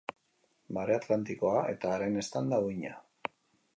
Marea Atlantikoa eta haren eztanda-uhina.